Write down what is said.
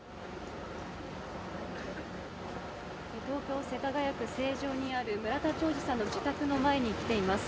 東京・世田谷区成城にある村田兆治さんの自宅の前に来ています。